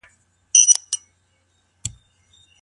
استعداد د نویو فکرونو سرچینه ده.